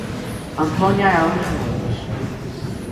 Antônia Araújo Nunes